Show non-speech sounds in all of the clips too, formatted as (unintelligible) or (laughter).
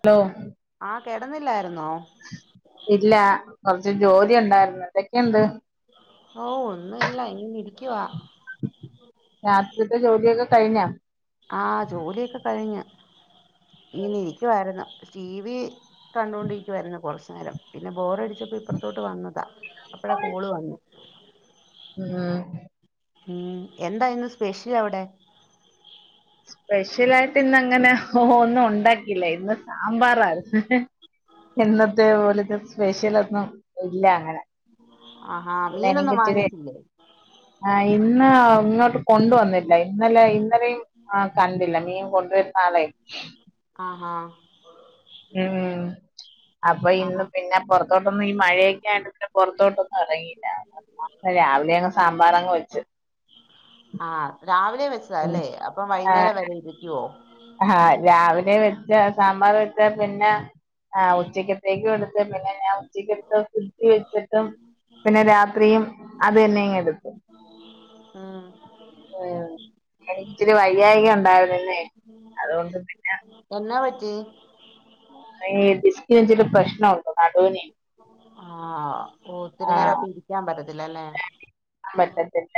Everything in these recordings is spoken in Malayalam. ഹലോ കിടന്നില്ല ഇല്ല കൊറച്ച് ജോലി ഇണ്ടായിരുന്നു എന്തക്കെയിണ്ട് ഓ ഒന്നുംല്ല ഇങ്ങനെ ഇരിക്കവാ വീട്ടി ജോലിയൊക്കെ കഴിഞ്ഞൊ? ആ ജോലിയൊക്കെ കഴിഞ്ഞ് ഇങ്ങനെ ഇരിക്കുവാരുന്നു ടി വി കണ്ടുകൊണ്ടിരിക്കുവാരുന്നു കുറച്ചു നേരം പിന്നെ ബോറടിച്ചപ്പോ ഇപ്പുറത്തോട്ട് വന്നതാ അപ്പള കോള് വന്നെ ഉം ഉം എന്തായിരുന്നു സ്പെഷ്യൽ അവിടെ? സ്പെഷ്യലായിട്ട് ഇന്നങ്ങനെ ഓ ഒന്നും ഉണ്ടാക്കിയില്ല ഇന്ന് സാമ്പാറാരുന്നു എന്നത്തെ പോലത്തെ സ്പെഷ്യലൊന്നും ഇല്ല അങ്ങനെ ഉ (inaudible) ആഹാ പിന്നെ മീനൊന്നും വാങ്ങിച്ചില്ലേ ഇന്ന ഇങ്ങോട്ട് കൊണ്ടുവന്നില്ല ഇന്നലെ ഇന്നലെയും ആ കണ്ടില്ല മീൻ കൊണ്ടവരു നാളെ ആഹാ ഉം അപ്പൊ ഇന്ന് ആഹ് പിന്നെ പൊറത്തോട്ടൊന്നും ഈ മഴയൊക്കെ ആയോണ്ട് പിന്നെ പൊറത്തോട്ടൊന്നും ഇറങ്ങില്ല രാവിലെ അങ്ങ് സാമ്പാറങ്ങ് വെ ച്ച് ആ രാവിലെ വെച്ചതാ അല്ലേ അപ്പം വൈകുന്നേരം വരെ ഇരിക്കുവോ? ആ രാവിലെ വെച്ച സാമ്പാർ വെച്ച പിന്നെ ആ ഉച്ചക്കത്തേക്ക് കൊടുത്ത് പിന്നെ ഞാൻ ഉച്ചക്കെടുത്തു ഫ്രിഡ്ജില് വെച്ചിട്ടു പിന്നെ രാത്രിയും അത് തന്നെ അങ്ങ് എടുത്തു ഉം എനിക്കിച്ചിരി വയ്യായിക ഉണ്ടായിരുന്നു ഇന്നേ അതുകൊണ്ട് പിന്നെ എന്നാ പറ്റി ഏ ഡിസ്കിനിച്ചിരി പ്രശ്നുണ്ട് നടുനെ ആ ഓ ത്തിരി നേരം അപ്പോ ഇരിക്കാൻ പറ്റത്തി പറ്റത്തില്ല,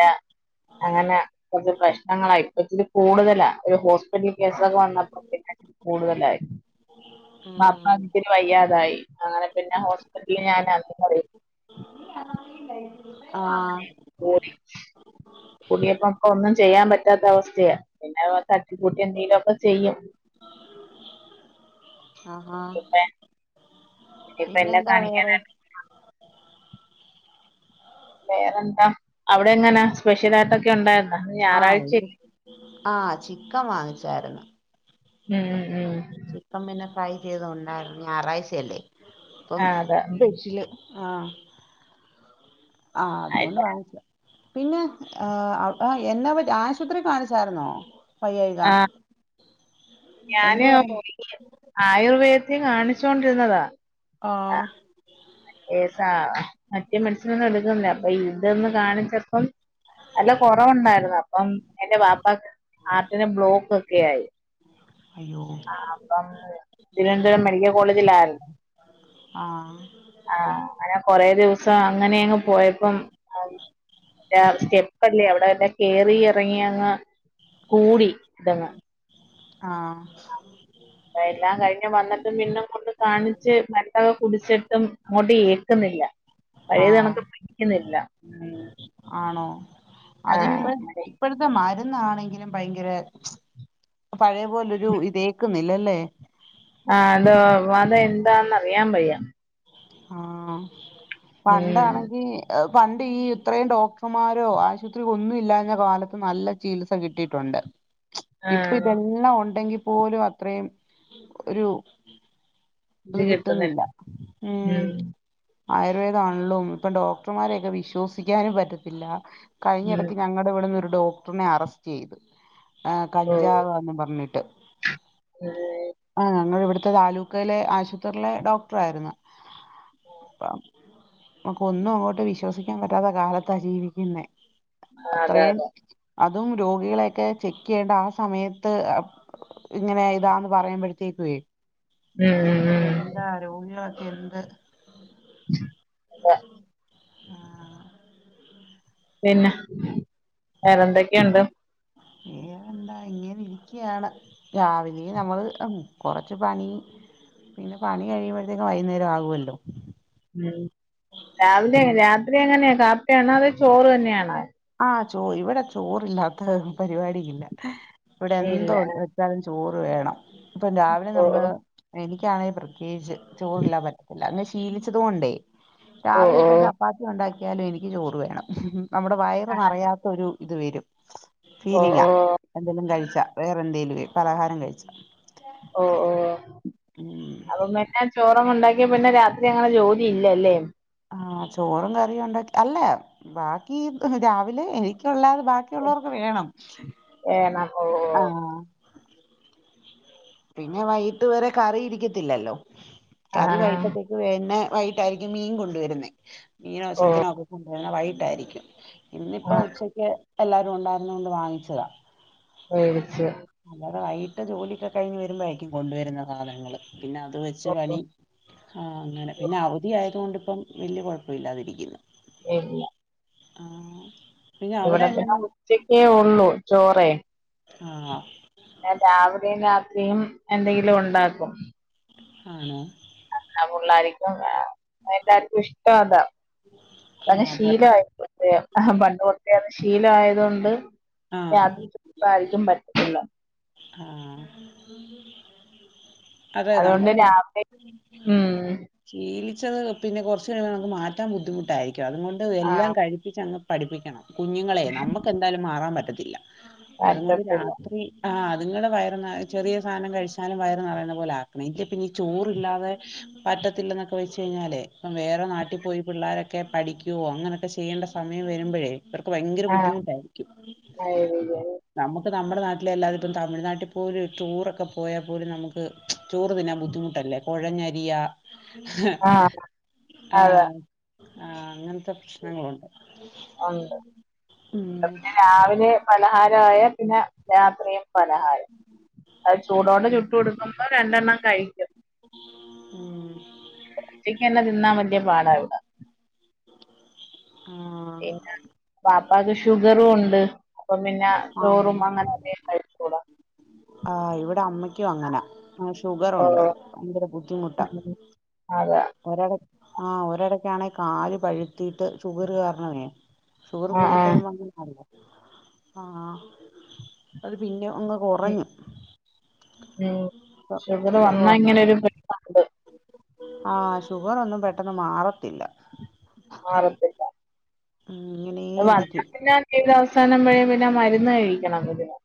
അങ്ങനെ കൊച്ച് പ്രശ്ന (unintelligible) ഇപ്പച്ചിരി കൂടുതല ഒരു ഹോസ് പിറ്റൽ കേസൊക്കെ വന്നപ്പോ പിന്നെ കൂടുതലായി. ഉം ബാപ്പാക്ക് പിന്നെ വയ്യാതായി. അങ്ങനെ പിന്നെ ഹോസ്പിറ്റൽ ഞാൻ അ ആഹ് (unintelligible) ഇപ്പ ഒന്നും ചെയ്യാൻ പറ്റ ത്ത അവസ്ഥയ. പിന്നെ തട്ടി കൂട്ടി എന്തെലൊക്കെ ചെയ്യും. (inaudible) ആഹ്ആ ഹാ ഇത് പ്പ എന്നെ കാണിക്കാനാ വേറെന്താ, അവിടെ എങ്ങനാ സ്പെഷ്യൽയിട്ടൊക്കെ ഉണ്ടായി ആഹ് ആഹ, ചിക്കൻ വാങ്ങിച്ചായിര്ന്നു. ഉംഹ് ഉ ചിക്കം പിന്നെ ട്രൈ ചെയ്ത ണ്ടായിരുന്നു ഞായറാഴ്ചയല്ലേ അപ്പം ആ അതെ ഉം ബെശില് ആഹ് ആഹ്ആ അതുംകൊണ്ട് ആയിക്കോ. വാങ്ങിക്കാ പിന്നെ ആഹ്ആ എന്ന് ആശുത്രി കാണിച്ചാരുന്നോ ആഹ്ആ എന്ത് ഞാന് പറഞ്ഞു ആയുർവേദം കാണി വച്ചോണ്ടിര്ന്നതാ, ആഹ് മറ്റേ സാം മറ്റേ മനസിനൊന്നും എടുക്കുന്നില്ല, അപ്പൊ ഇതന്ന് കാണിച്ചപ്പം നല്ല കൊറവുണ്ടായിരുന്നു അപ്പം, എന്റെ വാപ്പാക്ക്. ഹാർട്ടിന് ബ്ലോക്ക് പിയായി അയ്യോ ആ അപ്പം, തിരുവനന്തപുരം മെഡിക്കൽ കോളേജിലായിരുന്നു. ആഹ് അങ്ങനെ കൊറേ ദിസം അങ്ങനെയങ്ങ്, പോയപ്പം സ്റ്റെപ്പല്ലേ അവിടെല്ലെ കേറി ഇറങ്ങി അങ്ങ്, കൂടി ഇതങ്ങ് ആഹ് അ എല്ലാം കഴിഞ്ഞ് വന്നിട്ടും പിന്നും കൊണ്ട് കാണിച്ച് മരന്നൊക്കെ കുടിച്ചിട്ടും അങ്ങോട്ട്ഏറ്റി ക്ക്ന്നില്ല പഴയത് ആഹ് കണക്ക് പിടിക്കുന്നില്ല ഉംഹ് അതിപ്പം ഇപ്പോഴത്തെ മര് ഇന്നാണെങ്കിലും പയ്ങ്കര പഴയ പോലൊരു ഇതേക്കുന്നില്ല ല്ലേ ആഹ അതോ അതെന്താന്ന് അറിയാവയ്യ ആഹ്ആ ഉം പണ്ടാണെങ്കി എവ് പണ്ട് ഈ ഇത്രയും ഡോക്ടർമാരോ ആശുപത്രി ഒന്നും ഇല്ലാഞ്ഞ കാലത്ത് നല്ല ചികിത്സ കിട്ടിയിട്ടുണ്ട് ഇപ്പൊ ആഹ് ഇതെല്ലാം ഉണ്ടെങ്കി പോലും അത്രയും ഒരു അത് കിട്ടുന്നില്ല ഉം ആയുർവേദമാണേലും ഇപ്പൊ ഡോക്ടർമാരെയൊക്കെ വിശ്വസിക്കാനും പറ്റത്തില്ല ഉം കഴിഞ്ഞിടക്ക് ഞങ്ങടെ ഇവിട്ന്നൊരു ഡോക്ടറിനെ അറസ്റ്റ് ചെയ്ത് ആ ഓഹ് കഞ്ചാവാന്ന് പറഞ്ഞിട്ട് ഉം ആ ഞങ്ങളിവിടെ ത്തെ താലൂക്കിലെ ആശുപത്രിയിലെ ഡോക്ടർ ആയിരുന്നു നമുക്ക് ഒന്നും അങ്ങോട്ട് വിശ്വസിക്കാൻ പറ്റാത്ത കാലത്താ ജീവിക്കുന്നേ- അതെ അത്രയും അതെ അതും രോഗികളെയൊക്കെ ചെക്ക് ചെയ്യേണ്ട ആ സമയത്ത് ഇങ്ങനെ ഇതാന്ന് പറയുമ്പോഴത്തേക്കുവെ ഉം ഉം ഉം എന്താ രോഗിക എന്ത് അതെ ആഹ് പിന്നെ വേറെന്തൊക്കെയുണ്ട്- ഏന്താ ഇങ്ങെനെ ഇരിക്യയാണ് രാവിലെ നമ്മള് കൊറച്ച് പണി പിന്നെ പണി കഴിയുമ്പോഴത്തേക്കും വൈകുന്നേരം ആകുവല്ലോ- ഉം രാവിലെ രാത്രി അങ്ങനെ- കാപ്പിയാണോ അതോ ചോറ് തന്നെയാണാ? ആഹ് ചോ ഇവിടെ ചോറില്ലാത്ത പരിപാടിയില്ല ഇവിടെ ഇല്ല എന്തോവെച്ചാലും- ചോറ് വേണം- ഇപ്പൊ രാവിലെ ഓ നമ്മള് എനി എനിക്കാണേ പ്രത്യേകിച്ച് - ചോറില്ലാ പറ്റത്തില്ല- ശീലിച്ചതുകൊണ്ടേ- ഓ ഓ ഓ രാവിലെയിപ്പംചപ്പാത്തി ഒണ്ടാക്കി (unintelligible) എനിക്ക് ചോറ് വേണം ഹ് ഹ് ഹ് നമ്മുടെ വ അത് അറിയാത്ത ഒരു ഇത് വരും. ഓ ഫീലിങ്ങാ എന്തെലും കഴിച്ചാ. വേറെ എന്തേലും പലഹാരം കഴിച്ച. ഒ ഓഹ് അപ്പൊ മറ്റ ചോറൊന്നും ഉണ്ടാക്കി സത്യം പറഞ്ഞാ രാത്രി അങ്ങനെ ജോലി ഇല്ലല്ലേ? ആഹ് ചോറും കറിയും ഉണ്ട അല്ല ബാക്കി രാവിലെ എനിക്ക് ഇല്ലാതെ ബാക്കിയുള്ളവർക്ക് വേണം വേണം ഓ ആഹ് പിന്നെ വൈകട്ട് വേരെ കറി ഇരിക്കത്തില്ലല്ലോ. കറി ആഹ് വൈകിട്ടത്തേക്ക് പിന്നെ വൈകിട്ടായിരിക്കും മീൻ കൊണ്ടുവരുന്നത് മീനോ ഓ ചിക്കനോ (unintelligible) വൈകിട്ടായിരിക്കും ആ ഇന്നിപ്പ ഉച്ചയ്ക്ക് എല്ലാവരും ഉണ്ടായിരുന്നോണ്ട് വാങ്ങിച്ചതാ. വേവിച്ച ജോലിക കഴിഞ്ഞ് വരുമ്പഴായിരിക്കും കൊണ്ടുവരുന്നെ സാധനങ്ങള് പിന്നെ അത് വെച്ച് ഓ പണി ആ അങ്ങനെ പിന്നെ അവധി ആയ തോണ്ടിപ്പം വല്ല്യ കൊഴപ്പവില്ലാതിരിക്കുന്നു. (unintelligible) ആഹ് പിന്നെ അവിടെ ഇവിടെ പിന്നെ എങ്ങനെ ഉച്ചക്കേ ഒള്ളൂ. ചോറേ. ആഹ് ഞാൻ രാവിലെയും രാത്രിയും എന്തെങ്കിലും ഉണ്ടാക്കും. ആണോ ആ പുള്ളാരിക്കും വേണം. അതല്ലാര്ക്കും ഇഷ്ടം അതാ അതങ് ആഹ് ശീലവായി പോയി (unintelligible) പണ്ട് (unintelligible) ശീലായതോണ്ട് ആഹ് (unintelligible) പറ്റത്തില്ല ആഹ് അതെ അതുകൊണ്ട് നമ്മള് രാവിലെ ഉം ശീലി അച്ചത് പിന്നെ കൊറച്ച് കഴിയുമ്പോ നമുക്ക് മാറ്റാൻ ബുദ്ധിമുട്ടായി രിക്കും അതും കൊണ്ട് എല്ലാം ആഹ് കഴിപ്പിച്ചങ്ങ് പഠിപ്പിക്കണം. കുഞ്ഞുങ്ങളേ നമുക്ക് എന്തായാലും മാറാൻ പറ്റത്തി ത്തില്ലാ. അതും കൊണ്ട് പറ്റത്തില്ല രാത്രി ആഹ് അതുങ്ങടെ വയർ ന ചെറിയ സാധനം കഴിച്ചാലും വയർ നറയുന്ന പോലെ ആക്കണം ഇല്ല പിന്നീ ചോറില്ലാതെ പറ്റത്തില്ലെന്നൊക്കെ വെച്ച് കഴിഞ്ഞാല്ലേ അപ്പം വേറെ നാട്ടി പോയി പിള്ളേരൊ ഒക്കെ പഠിക്കുയോ അങ്ങനെക്കെ ചെയ്യേണ്ട സമയം വരുമ്പഴേ ഇവർക്ക് ഭയങ്കര ആഹ് ബുദ്ധിമുട്ടായിരിക്കും നമുക്ക് നമ്മുടെ നാ ലല്ലാതിപ്പം ഇപ്പം തമിഴ്നാട്ടി പോലും ടൂറൊക്കെ പോയാ പോലും നമുക്ക് ചോറു തിന്നാൻ ബുദ്ധിമുട്ടല്ലേ കൊഴഞ്ഞരിയ ആഹ് അതെ ആഹ് ആഹ് അങ്ങൻത്തെ പ്രശ്നങ്ങളുണ്ട് ഒണ്ട് ഉം പിന്നെ രാവിലെ പലഹാരമായ പിന്നെ രാത്രിയും പലഹായം അത് ചൂടോട് ഉം ചുട്ടു കൊടുക്കുമ്പോ രണ്ടെണ്ണം കഴിക്കും ഉം ച്ചക്ക് തന്നെ തിന്നാൻ വല്ല്യ പാട ഇവിട ആഹ് പിന്നെ വാപ്പാക്ക് ഷുഗറും ഉണ്ട് അപ്പം പിന്നെ ചോറും ആഹ് അങ്ങനധികം കഴിച്ചൂടാ ആഹ് ഇവിടെ അമ്മക്കും അങ്ങനാ ഷുഗറൊണ്ട് ഓ ഭയങ്കര ബുദ്ധിമുട്ടാ അതെ ഒരട ആഹ് ഒരടക്കാണെ കാല് പഴുത്തിട്ട് ചഷുഗർ കാരണമേ ഷുഗർ ആഹ് കൂടി കഴിയുമ്പോ ആഹ് നമ്മുക്ക് അറിയാം ആഹ് അത് പിന്നെ ഒന്ന് ഉമ് കുറഞ്ഞു ഉമ് ഇപ്പം ഷുഗർ വന്നാ വന്നു ഇങ്ങനെരു പ്ര ആഹ് ഷുഗറോന്നും പെട്ടെന്ന് മാറത്തില്ല മാറത്തില്ല ഉം ഇങ്ങനേ വന്നാ ഇരിക്കും പിന്നെ (unintelligible) അവസാനം വരേം പിന്നെ മരുന്ന് കഴിക്കണം ഇതിന്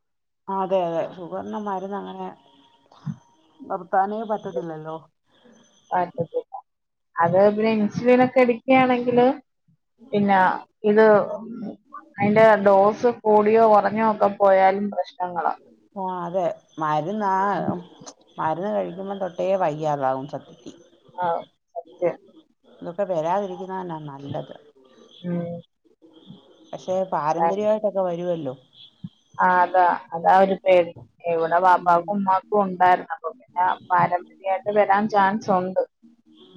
അതെ അതെ ഷുഗറിന്റെ മരുന്ന് അങ്ങനെ പ്പം താനേ പറ്റത്തില്ലല്ലോ പറ്റത്തില്ല അത് പിന്നെ ഇൻസുലിനൊക്കെ എടക്കുക്ക്യാണെങ്കില് പിന്നെ ഇത് അയ്ന്റെ ഡോസ് കൂടിയോ കൊറഞ്ഞോ ഒക്കെ പോയാലും പ്രശ് ആ അതെ മരുന്നാ മരുന്ന് കഴിക്കുമ്പം തൊട്ടേ വയ്യാതാവും സത്യത്തി ആഹ സത്യം ഇതൊക്കെ വരാതിരിക്കുന്നന്നാ നല്ലത് ഉം പക്ഷെ പാരമ്പര്യവായിട്ടൊക്കെ വരുവല്ലോ ആ അതാ അതാ ഒരു പേടി എവിടെ ഉം പാപ്പാക്കും ഉമ്മാക്കും ഉണ്ടായിരുന്ന അപ്പ പാരമ്പര്യമായിട്ട് വരാൻ ചാൻസ് ഉണ്ട്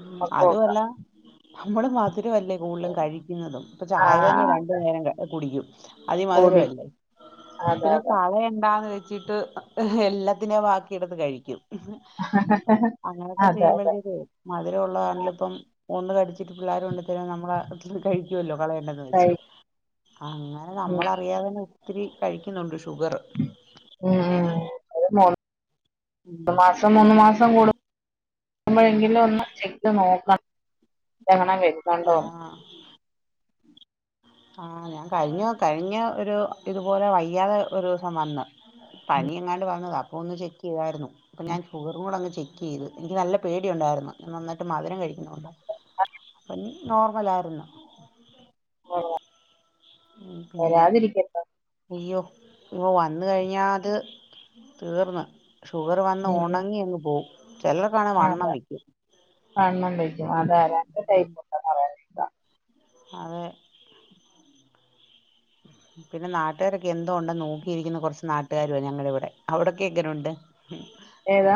ഉമ്മക്കും അതു ഒക്കെ അല്ല നമ്മള് മാതം ഒത്തിരി വലിയ കൂടുതും കഴിക്കുന്നതും ഇപ്പം ചായ തന്നെ ആഹ് രണ്ടു അതെ നേരം കുടിക്കും പൊടി അതിമധുരമല്ലേ അതെ പിന്നെ അതെ കളയന്താന്ന് ക്കീട്ട് എല്ലാത്തിനെയും ബാക്കിയെടുത്ത് കഴിക്കും അങ്ങനൊക്കെ അതെ അതെ ചെയ്യുമ്പോഴത്തേക്ക അതില ഉള്ളതാണില ഇപ്പം കടിച്ചിട്ട് പിള്ളോരുംണ്ട് ഇ നമ്മളെ കഴിക്കുവല്ലോ കളയണ്ടന്ന് വെച്ച് കഴി അങ്ങനെ നമ്മളറിയാതെന്നെ ഒത്തിരി കഴിക്കുന്നുണ്ട് ഷുഗർ ഉം ഉം അ മ ഒരു മാസം മൂന്നു മാസം കൂടു നമ്മളെങ്കിലും ഒന്ന് ചെയ്ത് നോക്കണം എങ്ങണം വക്കണ്ടോ ആഹ് ആഹ് ഞാൻ കഴിഞ്ഞു കഴിഞ്ഞ ഒരു ഇതുപോലെ വയ്യാതെ ഒരു ദിവസം വന്ന് പനിയങ്ങാല് വന്നത അപ്പോൾ ഒന്ന് ചെക്ക് ചെയ്തിായിരുന്നു അപ്പം ഞാൻ ഷുഗറുംടെ അങ് ചെക്ക് ചെയ്ത് എനിക്ക് നല്ല പേടി ഉണ്ടായിരുന്നുഞാൻ നന്നിട്ട് മധും കഴിക്കുന്നുകൊണ്ട് നോർമലായിരുന്നു ആ ങും പിന്നെ അയ്യോ ഇപ്പ വന്ന കഴിഞ്ഞാത് തീർന്ന് ഷുഗർ വന്ന് ഒണങ്ങി അങ്ങ് പോവും ചിലർക്കാണെ വണ്ണം അതാ വെക്കും വണ്ണം വെയ്ക്കും അതാ രണ്ട് ടൈപ്പ് ഒണ്ടെന്നു പറഞ്ഞു അ (unintelligible) അതെ പിന്നെ നാട്ടുകാരൊക്കെ എന്തോ ഒണ്ടെന്ന് നോക്കീരിക്കുന്ന കുറച്ച് നാട്ടുകാര്വാ ഞങ്ങടിവിടെ അവിടൊക്കെ എങ്ങനൊണ്ട് ഏതാ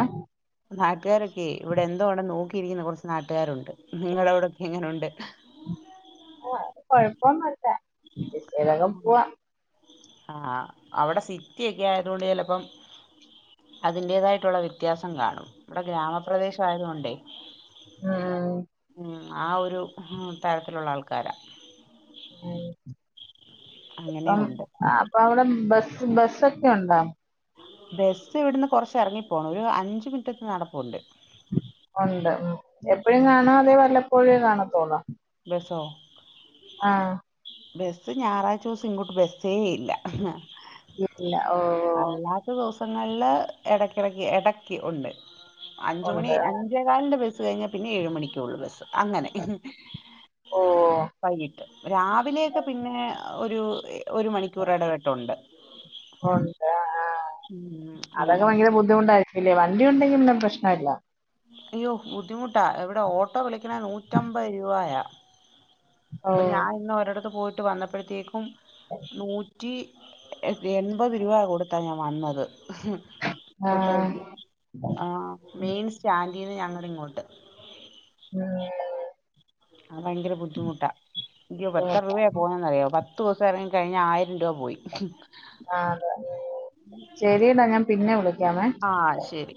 നാട്ടുകാരൊക്കെ ഇവിടെ എന്തോ ഒണ്ടെന്ന് നോക്കീരിക്കുന്ന കൊറച്ച് നാട്ടുകാരൊണ്ട് നിങ്ങളവിടൊക്കെ എങ്ങനൊണ്ട് ആ കൊഴപ്പോന്നുഇല്ല ഏതായാലും പൂവാം ങാ അവിടെ സിറ്റി ഒക്കെ ആയതോണ്ട് ചെലപ്പം അതിൻറേതായിട്ടൊള്ള വ്യെത്യാസം കാണും ഇവിടെ ഗ്രാമപ്രദേശായത് കൊണ്ടേ ആ ആ ഒരു ഉം തരത്തിലൊള്ള ആൾക്കാരാ ഉം ഇപ്പം അങ്ങനെയും ഉണ്ട് ങാ അപ്പം അവിടൊ ബസ്സ് ബസ്സൊക്കെ ഒണ്ടാ? ബെസ് ഇവിടുന്ന് കൊറച്ചെറങ്ങിപ്പോണം ഒരു അഞ്ച് മിനിറ്റ്ത്തെ നടപ്പൊണ്ട് ഒണ്ട് എപ്പഴും കാണ്വോ അതോ വല്ലെപ്പ കോഴിയേ കാണാ തോന്നാ ബെസോ ആഹ് ബെസ്സ് ഞായറാഴ്ച ദിവസം ഇങ്ങോട്ട് ബെസ്സേ ഇല്ല ഇല്ല ഓ ഓ നല്ല ഇടയ്ക്കെടയ്ക്ക് എടയ്ക്ക് ഉണ്ട് അഞ്ച് മണി ഉണ്ട് അഞ്ചേ കാലിന്റെ ബസ്സ് കഴിഞ്ഞാ പിന്നെ ഏഴ് മണിക്കേ ഉള്ളൂ ബസ് അങ്ങനെ ഓ വൈകിട്ട് ലേക്ക് പിന്നെ ഒരു ഏ ഒരു മണിക്കൂർ എടവിട്ടൊണ്ട് ഒണ്ടാ ങാ ഉം അതൊക്കെ അങ്ങനെ ഭയങ്കര ബുദ്ധിമുട്ടായി ഇല്ലേ വണ്ടി ഒണ്ടെങ്കി പിന്നെ പ്രശ്നംല്ല അയ്യോ ബുദ്ധിമുട്ടാ എവിടെ ഓട്ടോ വിളി ക്കണേ നൂറ്റമ്പത് രൂപായാ ഓ അപ്പം ഞാൻ ഇന്ന് ഒരിടത്ത് പോയി ട്ട് വന്നപ്പോഴത്തേക്കും നൂ റ്റി എൺ എൺപത് രൂപ കൊടുത്താ ഞാൻ വന്നത് ആ ഓട്ടോയ്ക്ക് ആ മെയിൻ സ്റ്റാൻഡീന്ന് ഞങ്ങ ഇങ്ങോട്ട് ഉം ആ ഭയങ്കര ബുദ്ധിമുട്ടാ യ്യോ എത്ര ബുദ്ധിമുട്ടാ രൂപയാ പോണന്നറിയോ പ പത്തു ദിവസം ഇറങ്ങി കഴിഞ്ഞ ആയിരം രൂപ പോയി ആ അതെ ശരിയടാ ഞാൻ പിന്നെ വിളി ആഹ് ശരി.